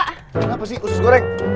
kenapa sih usus goreng